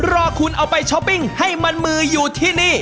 รอคุณเอาไปช้อปปิ้งให้มันมืออยู่ที่นี่